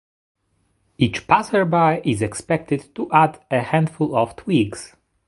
Each passerby is expected to add a handful of twigs.